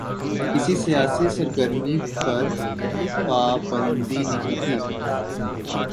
کسی سیاسی سرگرمی پر پابندی نہیں تھی۔